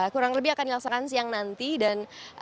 kurang lebih akan dilaksanakan siang nanti dan